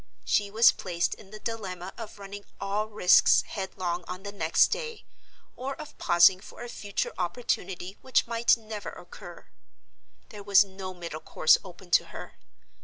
She was placed in the dilemma of running all risks headlong on the next day, or of pausing for a future opportunity which might never occur. There was no middle course open to her.